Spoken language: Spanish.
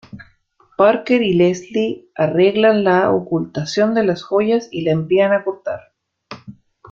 Parker y Leslie arreglan la ocultación de las joyas y la envían a cortar.